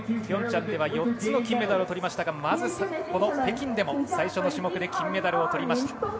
ピョンチャンでは４つの金メダルをとりましたが北京でも最初の種目で金メダルをとりました。